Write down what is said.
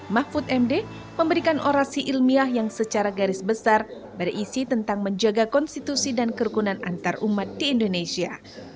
mahfud md memberikan orasi ilmiah yang secara garis besar berisi tentang menjaga konstitusi dan kerukunan antarumat di indonesia